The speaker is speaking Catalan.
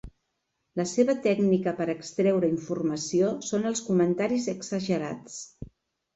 La seva tècnica per extreure informació són els comentaris exagerats.